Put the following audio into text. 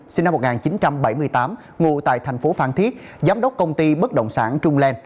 sinh năm một nghìn chín trăm bảy mươi tám ngụ tại thành phố phan thiết giám đốc công ty bất động sản trung lan